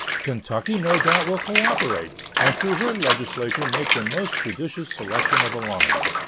Kentucky no doubt will cooperate, and through her legislature make the most judicious selection of a line.